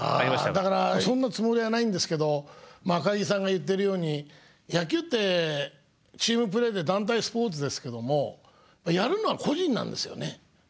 だからそんなつもりはないんですけど赤木さんが言ってるように野球ってチームプレーで団体スポーツですけどもやるのは個人なんですよね。